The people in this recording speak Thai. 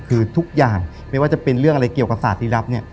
คือทุกอย่างไม่ว่าจะเป็นเรื่องอะไรเกี่ยวกับศาสตรีรับเนี่ย